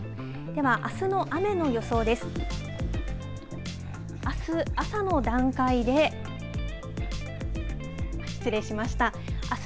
ではあすの雨の予想です。